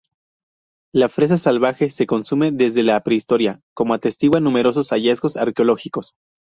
La fresa salvaje se consume desde la prehistoria, como atestiguan numerosos hallazgos arqueológicos.